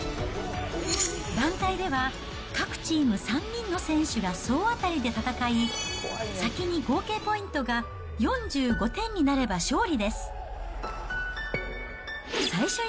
団体では各チーム３人の選手が総当たりで戦い、先に合計ポイントが４５点になれば勝利です。